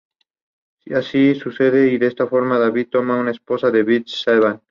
Así sucede y de esta forma David toma por esposa a Bath-sheba.